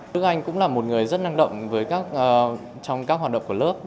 tức anh cũng là một người rất năng động trong các hoạt động của lớp